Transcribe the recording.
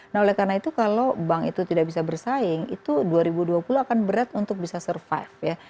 nah oleh karena itu kalau bank itu tidak bisa bersaing itu dua ribu dua puluh akan berat untuk bisa survive ya